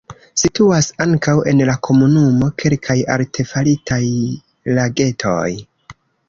Situas ankaŭ en la komunumo kelkaj artefaritaj lagetoj.